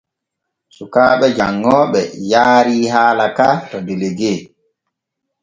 Sukaaɓe janŋooɓe yaarii haala ka to delegue.